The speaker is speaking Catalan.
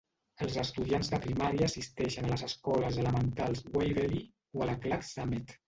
Els estudiants de primària assisteixen a les escoles elementals Waverly o a la Clarks Summit.